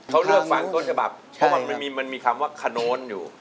เขาเลือกฟังต้นฉบับเพราะมันมีคำว่าขนโน้นอยู่